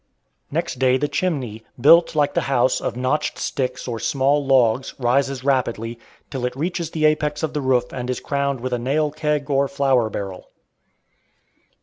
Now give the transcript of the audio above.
Next day the chimney, built like the house, of notched sticks or small logs, rises rapidly, till it reaches the apex of the roof and is crowned with a nail keg or flour barrel.